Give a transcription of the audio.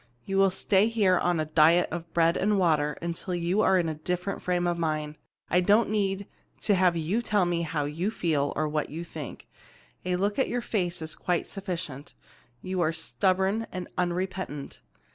You will stay here on a diet of bread and water until you are in a different frame of mind. I don't need to have you tell me how you feel, or what you think. A look at your face is quite sufficient. You are stubborn and unrepentant.